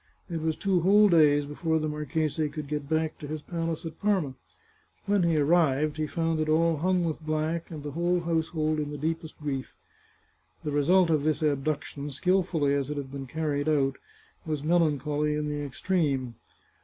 It was two whole days before the marchese could get back to his palace at Parma. When he arrived he found it all hung with black, and the whole household in the deepest grief. The result of this abduction, skilfully as it had been car ried out, was melancholy in the extreme.